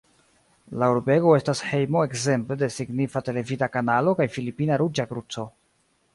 La urbego estas hejmo ekzemple de signifa televida kanalo kaj Filipina Ruĝa Kruco.